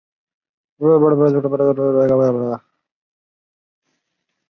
惕隐是契丹族处理契丹贵族政教事务官的名称。